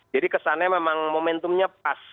jadi kesannya memang momentumnya pas